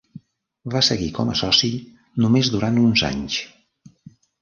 Va seguir com a soci només durant uns anys.